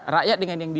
rakyat dengan yang lain